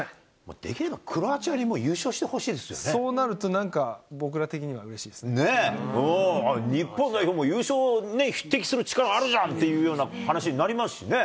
できればクロアチアにもう、そうなると、なんか僕ら的に日本代表も優勝ね、匹敵する力あるじゃんっていう話になりますしね。